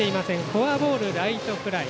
フォアボール、ライトフライ。